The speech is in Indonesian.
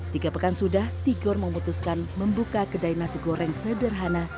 tiga pekan sudah tigor memutuskan membuka kedai nasi goreng sederhana